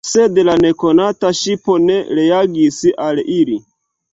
Sed la nekonata ŝipo ne reagis al ili.